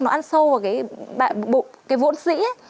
nó ăn sâu vào cái vỗn sĩ ấy